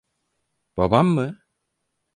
Babam mı?